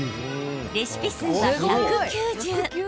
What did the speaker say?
レシピ数は１９０。